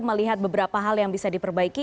melihat beberapa hal yang bisa diperbaiki